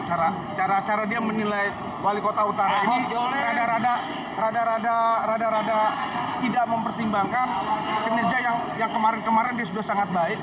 cara cara dia menilai wali kota utara ini rada rada tidak mempertimbangkan kinerja yang kemarin kemarin dia sudah sangat baik